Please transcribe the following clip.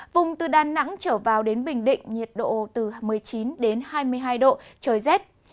vùng từ đà nẵng trở vào đến bình định nhiệt độ từ một mươi chín đến hai mươi hai độ trời rét